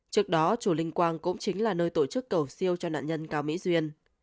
trước đó chùa linh quang cũng chính là nơi tổ chức cầu siêu cho nạn nhân cao mỹ duyên